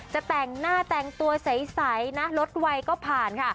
จะแต่งหน้าแต่งตัวใสนะลดวัยก็ผ่านค่ะ